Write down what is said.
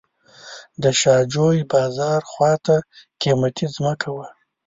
د شاه جوی بازار خواته قیمتي ځمکه وه.